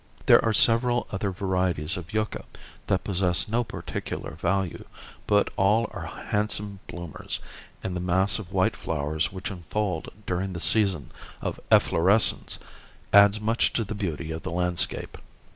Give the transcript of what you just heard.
There are several other varieties of yucca that possess no particular value, but all are handsome bloomers, and the mass of white flowers which unfold during the season of efflorescence adds much to the beauty of the landscape.